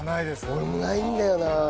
俺もないんだよな。